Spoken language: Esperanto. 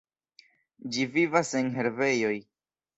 Ĝi vivas en herbejoj.